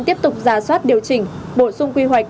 tiếp tục ra soát điều chỉnh bổ sung quy hoạch